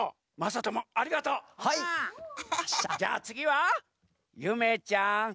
じゃあつぎはゆめちゃん。